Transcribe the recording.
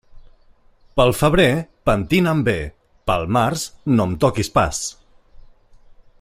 Pel febrer, pentina'm bé; pel març, no em toquis pas.